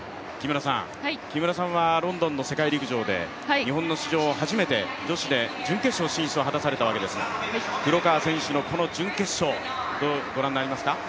木村さんはロンドンの世界陸上で日本の史上初めて、女子で準決勝進出を果たされたわけですが黒川選手のこの準決勝、どうご覧になりますか。